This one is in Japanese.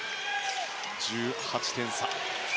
１８点差。